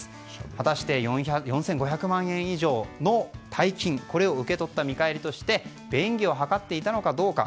果たして４５００万円以上の大金これを受け取った見返りとして便宜を図っていたのかどうか。